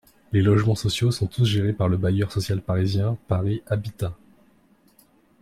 Les logements sociaux sont tous gérés par le bailleur social parisien Paris Habitat.